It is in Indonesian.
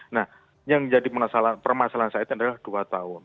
nah yang jadi permasalahan saat ini adalah dua tahun